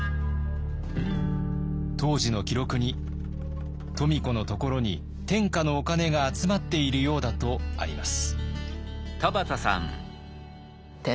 当時の記録に「富子のところに天下のお金が集まっているようだ」とあります。